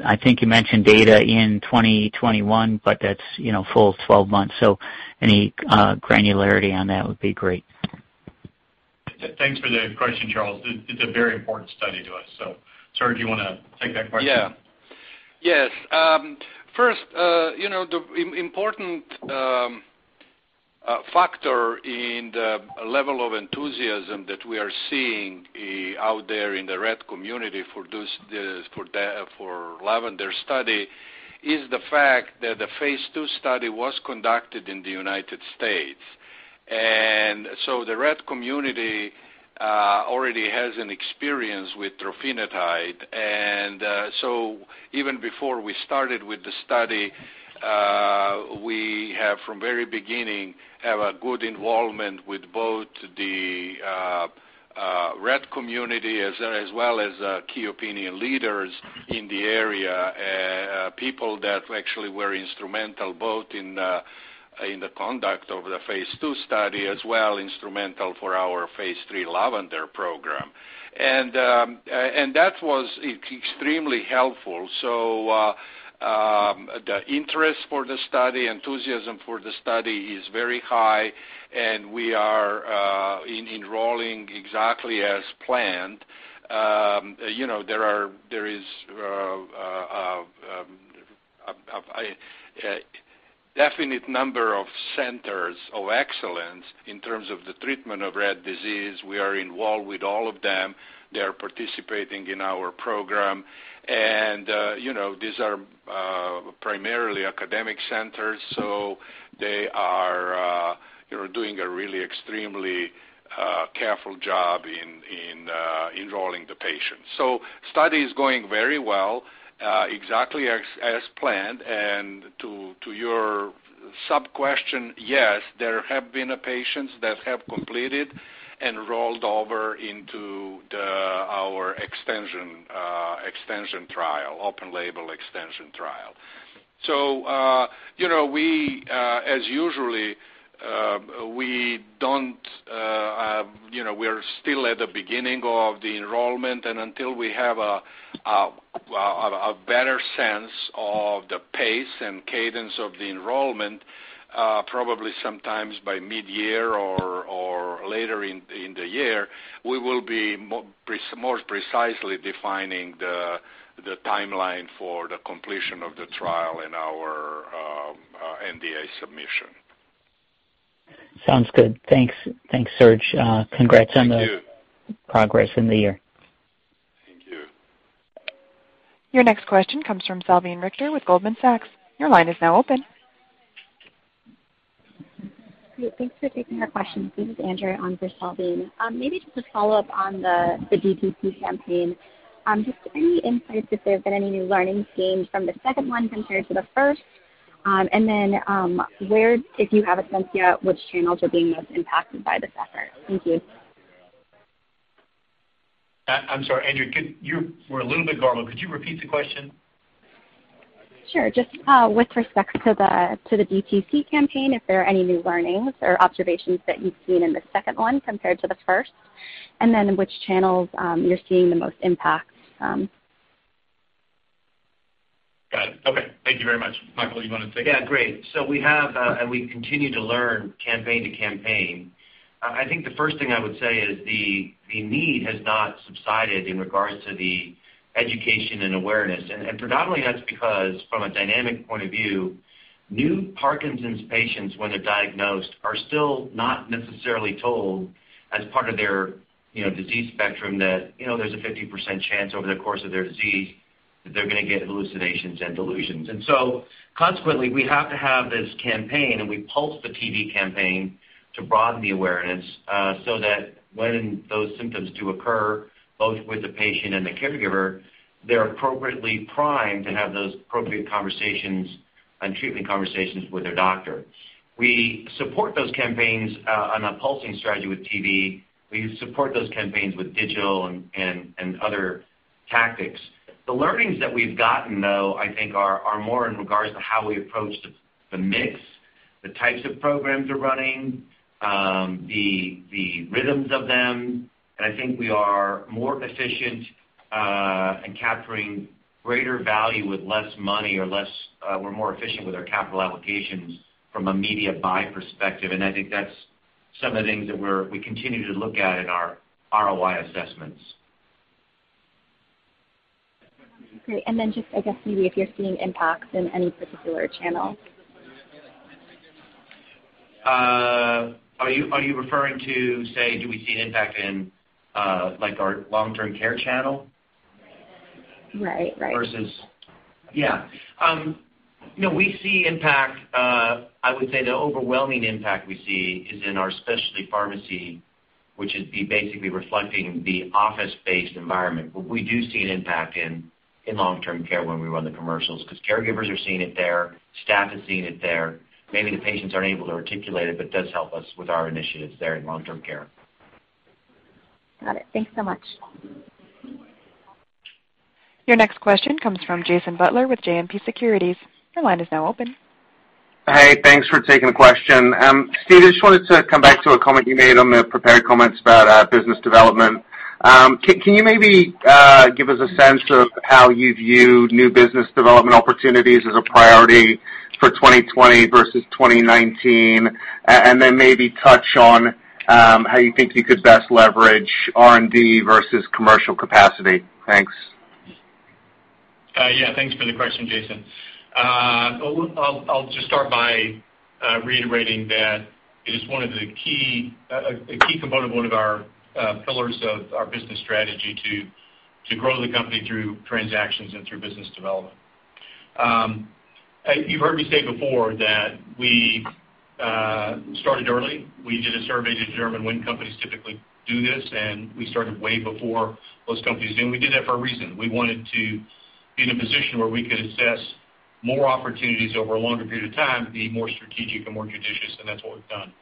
I think you mentioned data in 2021, but that's full 12 months, so any granularity on that would be great. Thanks for the question, Charles. It's a very important study to us. Serge, do you want to take that question? Yeah. Yes. First, the important factor in the level of enthusiasm that we are seeing out there in the Rett community for LAVENDER study is the fact that the phase II study was conducted in the U.S. The Rett community already has an experience with trofinetide. Even before we started with the study, we have from very beginning, have a good involvement with both the Rett community as well as key opinion leaders in the area. People that actually were instrumental both in the conduct of the phase II study, as well instrumental for our phase III LAVENDER program. That was extremely helpful. The interest for the study, enthusiasm for the study is very high, and we are enrolling exactly as planned. There is a definite number of centers of excellence in terms of the treatment of Rett syndrome. We are involved with all of them. They are participating in our program. These are primarily academic centers, so they are doing a really extremely careful job in enrolling the patients. Study is going very well, exactly as planned. To your sub-question, yes, there have been patients that have completed and rolled over into our extension trial, open-label extension trial. As usual, we are still at the beginning of the enrollment, and until we have a better sense of the pace and cadence of the enrollment, probably sometimes by mid-year or later in the year, we will be more precisely defining the timeline for the completion of the trial in our NDA submission. Sounds good. Thanks. Thanks, Serge. Thank you. Congrats on the progress in the year. Thank you. Your next question comes from Salveen Richter with Goldman Sachs. Your line is now open. Great. Thanks for taking my question. This is Andrea on for Salveen. Maybe just a follow-up on the DTC campaign. Just any insights if there have been any new learnings gained from the second one compared to the first? Then, if you have a sense yet, which channels are being most impacted by this effort? Thank you. I'm sorry, Andrea, you were a little bit garbled. Could you repeat the question? Sure. Just with respect to the DTC campaign, if there are any new learnings or observations that you've seen in the second one compared to the first, and then which channels you're seeing the most impact. Got it. Okay. Thank you very much. Michael, you want to take it? Yeah, great. We have, and we continue to learn campaign to campaign. I think the first thing I would say is the need has not subsided in regards to the education and awareness. Predominantly that's because, from a dynamic point of view, new Parkinson's patients, when they're diagnosed, are still not necessarily told as part of their disease spectrum that there's a 50% chance over the course of their disease that they're going to get hallucinations and delusions. Consequently, we have to have this campaign, and we pulse the TV campaign to broaden the awareness, so that when those symptoms do occur, both with the patient and the caregiver, they're appropriately primed to have those appropriate conversations and treatment conversations with their doctor. We support those campaigns on a pulsing strategy with TV. We support those campaigns with digital and other tactics. The learnings that we've gotten, though, I think are more in regards to how we approach the mix, the types of programs we're running, the rhythms of them. I think we are more efficient in capturing greater value with less money, or we're more efficient with our capital allocations from a media buy perspective. I think that's some of the things that we continue to look at in our ROI assessments. Great. Just, I guess, maybe if you're seeing impacts in any particular channel? Are you referring to, say, do we see an impact in our long-term care channel? Right. Yeah, no, we see impact. I would say the overwhelming impact we see is in our specialty pharmacy, which would be basically reflecting the office-based environment. We do see an impact in long-term care when we run the commercials, because caregivers are seeing it there, staff is seeing it there. Maybe the patients aren't able to articulate it, but it does help us with our initiatives there in long-term care. Got it. Thanks so much. Your next question comes from Jason Butler with JMP Securities. Your line is now open. Hey, thanks for taking the question. Steve, I just wanted to come back to a comment you made on the prepared comments about business development. Can you maybe give us a sense of how you view new business development opportunities as a priority for 2020 versus 2019? Then maybe touch on how you think you could best leverage R&D versus commercial capacity. Thanks. Yeah. Thanks for the question, Jason. I'll just start by reiterating that it is a key component of one of our pillars of our business strategy to grow the company through transactions and through business development. You've heard me say before that we started early. We did a survey to determine when companies typically do this, and we started way before most companies do. We did that for a reason. We wanted to be in a position where we could assess more opportunities over a longer period of time, be more strategic and more judicious, and that's what we've done.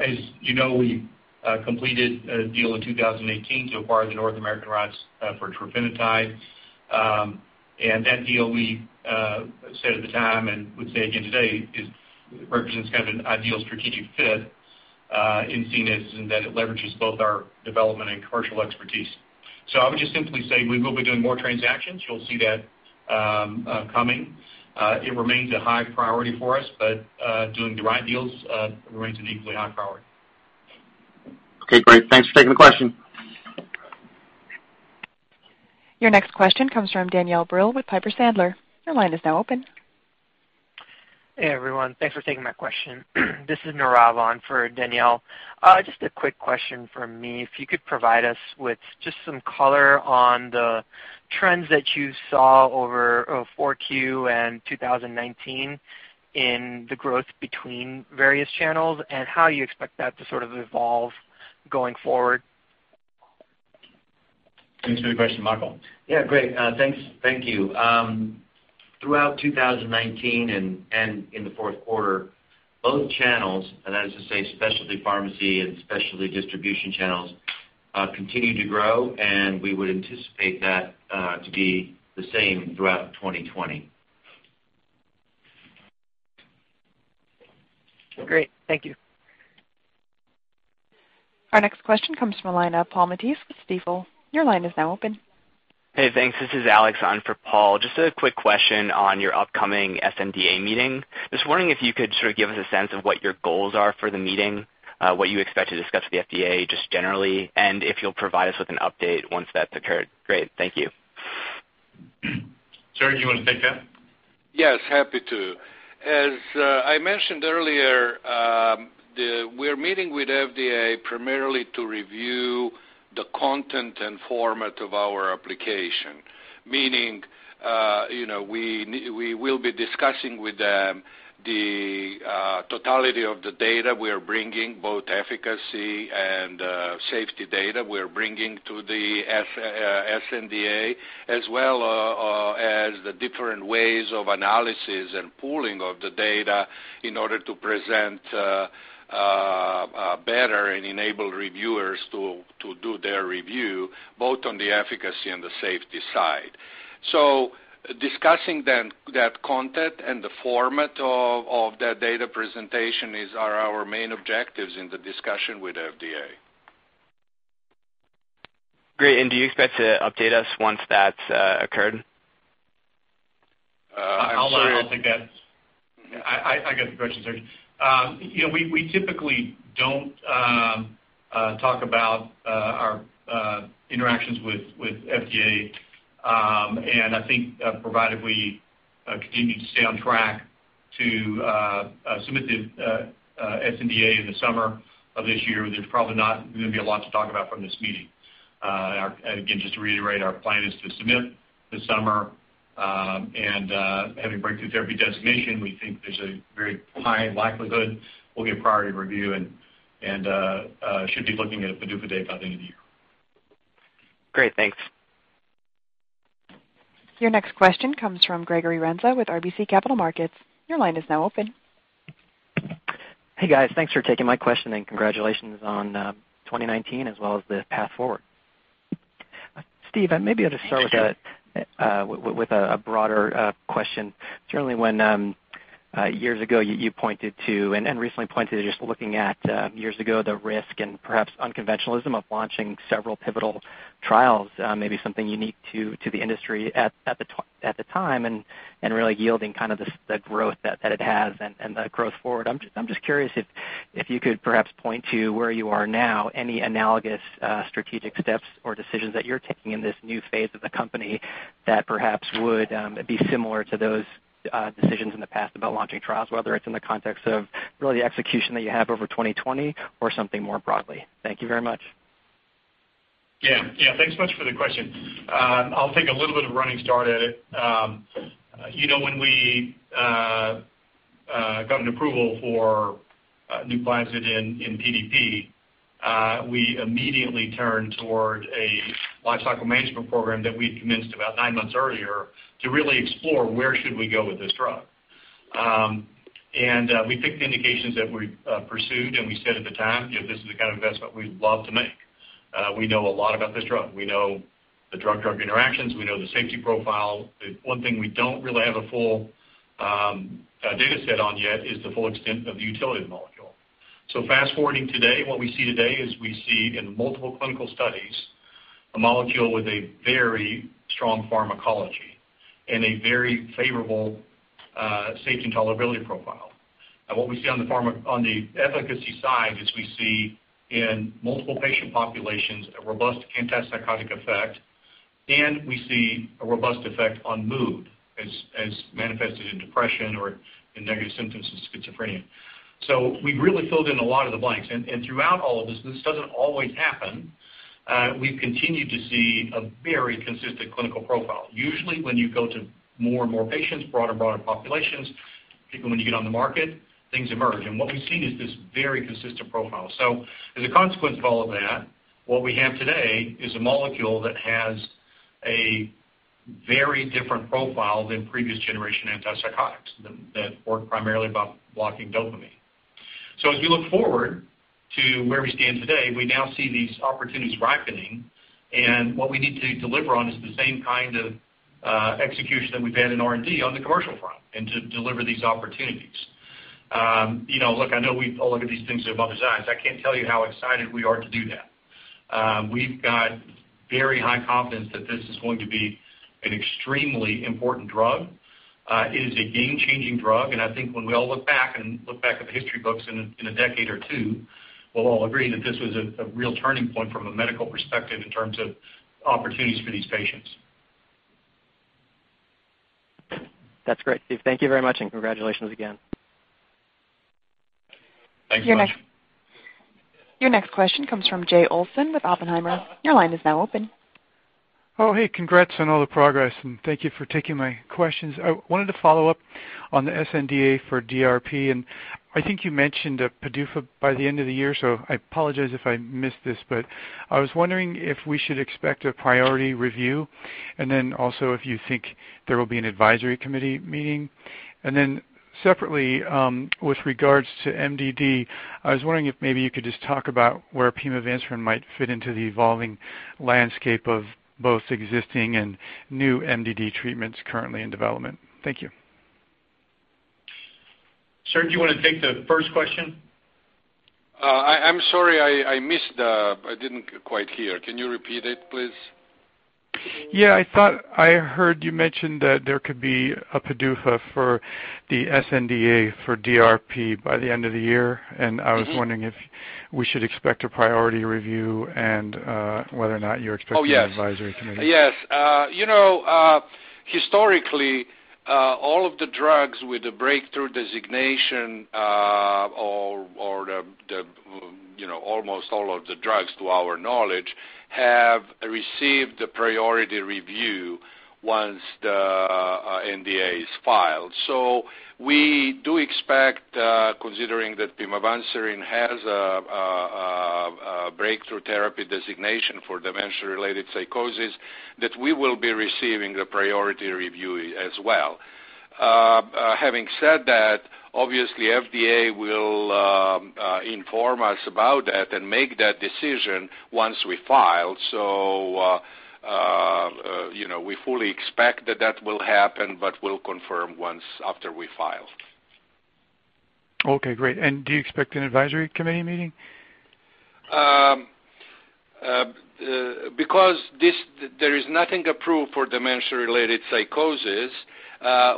As you know, we completed a deal in 2018 to acquire the North American rights for trofinetide. That deal we said at the time and would say again today, represents kind of an ideal strategic fit in seeing as in that it leverages both our development and commercial expertise. I would just simply say we will be doing more transactions. You'll see that coming. It remains a high priority for us, but doing the right deals remains an equally high priority. Okay, great. Thanks for taking the question. Your next question comes from Danielle Brill with Piper Sandler. Your line is now open. Hey, everyone. Thanks for taking my question. This is Nirav on for Danielle. Just a quick question from me. If you could provide us with just some color on the trends that you saw over 4Q and 2019 in the growth between various channels and how you expect that to sort of evolve going forward. Thanks for the question, Michael? Yeah, great. Thank you. Throughout 2019 and in the fourth quarter, both channels, and that is to say specialty pharmacy and specialty distribution channels, continue to grow. We would anticipate that to be the same throughout 2020. Great. Thank you. Our next question comes from the line of Paul Matteis with Stifel. Your line is now open. Hey, thanks. This is Alex on for Paul. Just a quick question on your upcoming sNDA meeting. Just wondering if you could sort of give us a sense of what your goals are for the meeting, what you expect to discuss with the FDA, just generally, and if you'll provide us with an update once that's occurred. Great. Thank you. Serge, you want to take that? Yes, happy to. As I mentioned earlier, we're meeting with FDA primarily to review the content and format of our application. Meaning, we will be discussing with them the totality of the data we are bringing, both efficacy and safety data we're bringing to the sNDA, as well as the different ways of analysis and pooling of the data in order to present better and enable reviewers to do their review, both on the efficacy and the safety side. Discussing then that content and the format of that data presentation are our main objectives in the discussion with FDA. Great. Do you expect to update us once that's occurred? I'll take that. I got the question, Serge. We typically don't talk about our interactions with FDA. I think, provided we continue to stay on track to submit the sNDA in the summer of this year, there's probably not going to be a lot to talk about from this meeting. Again, just to reiterate, our plan is to submit this summer. Having a breakthrough therapy designation, we think there's a very high likelihood we'll get priority review and should be looking at a PDUFA date by the end of the year. Great. Thanks. Your next question comes from Gregory Renza with RBC Capital Markets. Your line is now open. Hey, guys. Thanks for taking my question. Congratulations on 2019 as well as the path forward. Steve, maybe I'll just start with a broader question. Certainly, when years ago you pointed to, and recently pointed to just looking at years ago, the risk and perhaps unconventionalism of launching several pivotal trials, maybe something unique to the industry at the time, and really yielding the growth that it has and the growth forward. I'm just curious if you could perhaps point to where you are now, any analogous strategic steps or decisions that you're taking in this new phase of the company that perhaps would be similar to those decisions in the past about launching trials, whether it's in the context of really the execution that you have over 2020 or something more broadly. Thank you very much. Yeah. Thanks much for the question. I'll take a little bit of a running start at it. When we got an approval for NUPLAZID in PDP, we immediately turned toward a lifecycle management program that we'd commenced about nine months earlier to really explore where should we go with this drug. We picked the indications that we pursued, and we said at the time, "This is the kind of investment we'd love to make." We know a lot about this drug. We know the drug interactions, we know the safety profile. The one thing we don't really have a full data set on yet is the full extent of the utility of the molecule. Fast-forwarding today, what we see today is we see in multiple clinical studies, a molecule with a very strong pharmacology and a very favorable safety and tolerability profile. What we see on the efficacy side is we see in multiple patient populations a robust antipsychotic effect, and we see a robust effect on mood as manifested in depression or in negative symptoms of schizophrenia. We've really filled in a lot of the blanks. Throughout all of this doesn't always happen, we've continued to see a very consistent clinical profile. Usually, when you go to more and more patients, broader populations, particularly when you get on the market, things emerge. What we've seen is this very consistent profile. As a consequence of all of that, what we have today is a molecule that has a very different profile than previous generation antipsychotics that work primarily by blocking dopamine. As we look forward to where we stand today, we now see these opportunities ripening, and what we need to deliver on is the same kind of execution that we've had in R&D on the commercial front and to deliver these opportunities. Look, I know we all look at these things with bummed eyes. I can't tell you how excited we are to do that. We've got very high confidence that this is going to be an extremely important drug. It is a game-changing drug, and I think when we all look back and look back at the history books in a decade or two, we'll all agree that this was a real turning point from a medical perspective in terms of opportunities for these patients. That's great, Steve. Thank you very much, and congratulations again. Thanks so much. Your next question comes from Jay Olson with Oppenheimer. Your line is now open. Oh, hey, congrats on all the progress, and thank you for taking my questions. I wanted to follow up on the sNDA for DRP, and I think you mentioned a PDUFA by the end of the year, so I apologize if I missed this, but I was wondering if we should expect a priority review, and then also if you think there will be an advisory committee meeting. Separately, with regards to MDD, I was wondering if maybe you could just talk about where pimavanserin might fit into the evolving landscape of both existing and new MDD treatments currently in development. Thank you. Serge, do you want to take the first question? I'm sorry, I missed. I didn't quite hear. Can you repeat it, please? Yeah, I thought I heard you mention that there could be a PDUFA for the sNDA for DRP by the end of the year, and I was wondering if we should expect a priority review and whether or not you're expecting an advisory committee. Oh, yes. Historically, all of the drugs with the breakthrough designation or almost all of the drugs, to our knowledge, have received the priority review once the NDA is filed. We do expect, considering that pimavanserin has a breakthrough therapy designation for dementia-related psychosis, that we will be receiving the priority review as well. Having said that, obviously, FDA will inform us about that and make that decision once we file. We fully expect that will happen, but we'll confirm once after we file. Okay, great. Do you expect an advisory committee meeting? There is nothing approved for dementia-related psychosis,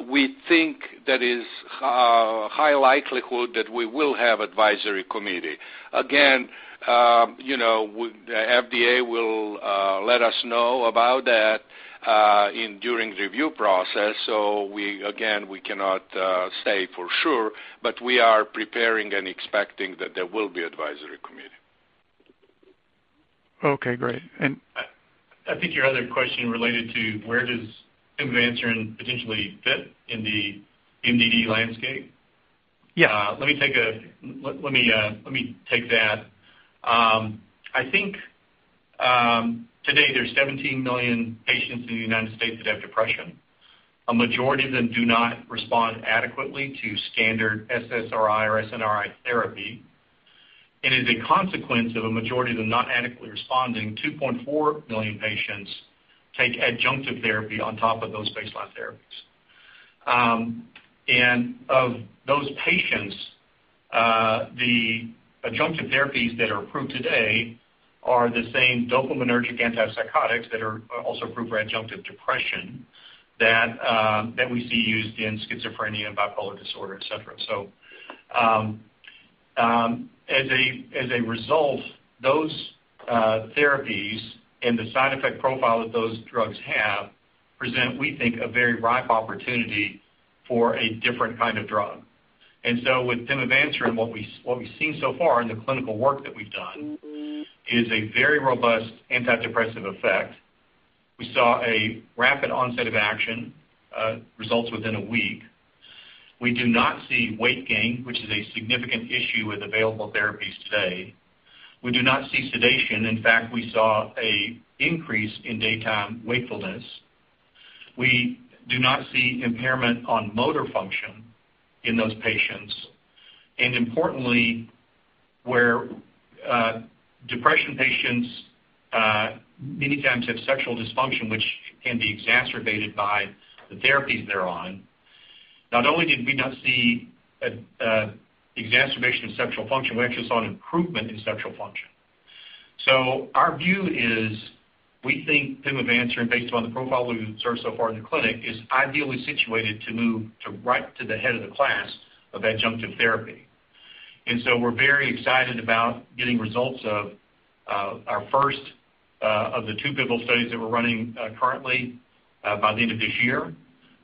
we think that is a high likelihood that we will have advisory committee. Again, the FDA will let us know about that during the review process. Again, we cannot say for sure, but we are preparing and expecting that there will be advisory committee. Okay, great. I think your other question related to where does pimavanserin potentially fit in the MDD landscape? Yeah. Let me take that. I think today there's 17 million patients in the U.S. that have depression. A majority of them do not respond adequately to standard SSRI or SNRI therapy. As a consequence of a majority of them not adequately responding, 2.4 million patients take adjunctive therapy on top of those baseline therapies. Of those patients, the adjunctive therapies that are approved today are the same dopaminergic antipsychotics that are also approved for adjunctive depression that we see used in schizophrenia and bipolar disorder, et cetera. As a result, those therapies and the side effect profile that those drugs have present, we think, a very ripe opportunity for a different kind of drug. With pimavanserin, what we've seen so far in the clinical work that we've done is a very robust antidepressive effect. We saw a rapid onset of action, results within a week. We do not see weight gain, which is a significant issue with available therapies today. We do not see sedation. In fact, we saw an increase in daytime wakefulness. We do not see impairment on motor function in those patients, and importantly, where depression patients many times have sexual dysfunction, which can be exacerbated by the therapies they're on. Not only did we not see an exacerbation of sexual function, we actually saw an improvement in sexual function. Our view is we think pimavanserin, based upon the profile we've observed so far in the clinic, is ideally situated to move right to the head of the class of adjunctive therapy. We're very excited about getting results of our first of the two pivotal studies that we're running currently by the end of this year.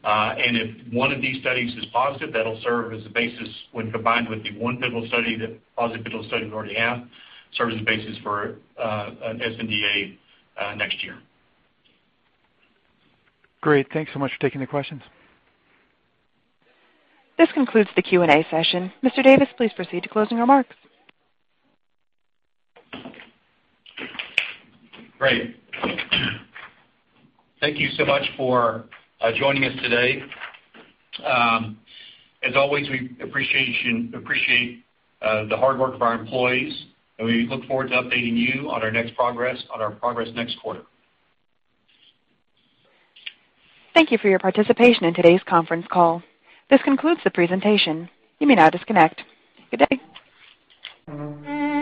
If one of these studies is positive, that'll serve as the basis when combined with the one positive pivotal study we already have, serve as the basis for an sNDA next year. Great. Thanks so much for taking the questions. This concludes the Q&A session. Mr. Davis, please proceed to closing remarks. Great. Thank you so much for joining us today. As always, we appreciate the hard work of our employees, and we look forward to updating you on our progress next quarter. Thank you for your participation in today's conference call. This concludes the presentation. You may now disconnect. Good day.